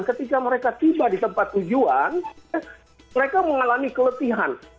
ketika mereka tiba di tempat tujuan mereka mengalami keletihan